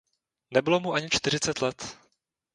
Nebylo mu ani čtyřicet let.